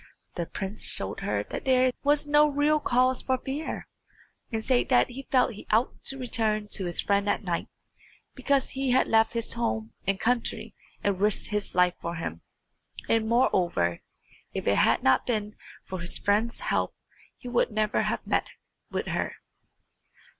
The prince showed her that there was no real cause for fear, and said that he felt he ought to return to his friend at night, because he had left his home and country and risked his life for him; and, moreover, if it had not been for his friend's help he would never have met with her.